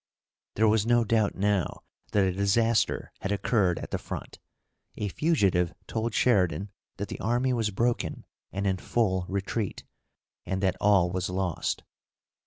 There was no doubt now that a disaster had occurred at the front. A fugitive told Sheridan that the army was broken and in full retreat, and that all was lost.